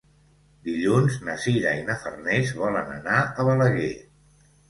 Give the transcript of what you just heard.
Dilluns na Sira i na Farners volen anar a Balaguer.